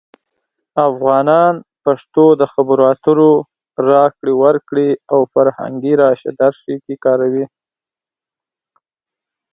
افغانان پښتو د خبرو اترو، راکړې ورکړې، او فرهنګي راشه درشه کې کاروي.